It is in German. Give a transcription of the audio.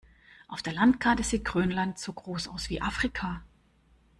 Auf der Landkarte sieht Grönland so groß aus wie Afrika.